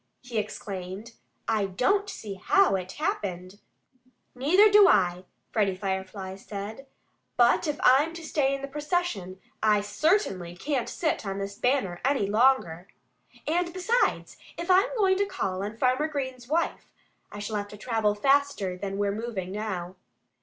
he exclaimed. "I don't see how it happened." "Neither do I!" Freddie Firefly said. "But if I'm to stay in the procession I certainly can't sit on this banner any longer. And besides, if I'm going to call on Farmer Green's wife I shall have to travel faster than we're moving now."